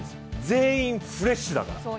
全員、フレッシュだから。